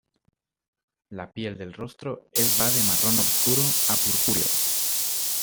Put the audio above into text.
La piel del rostro es va de marrón obscuro a purpúreo.